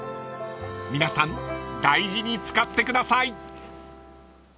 ［皆さん大事に使ってください］